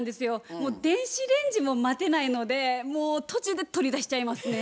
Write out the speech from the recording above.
もう電子レンジも待てないのでもう途中で取り出しちゃいますね。